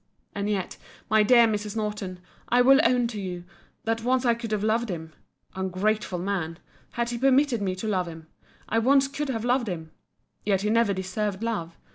And yet, my dear Mrs. Norton, I will own to you, that once I could have loved him.—Ungrateful man!—had he permitted me to love him, I once could have loved him. Yet he never deserved love.